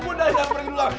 aku mau dajar pergi dulu dang